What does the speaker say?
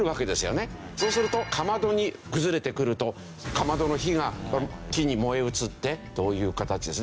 そうするとかまどに崩れてくるとかまどの火が木に燃え移ってという形ですね。